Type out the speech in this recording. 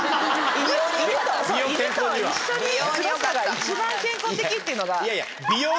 犬と一緒に過ごすのが一番健康的っていうのが。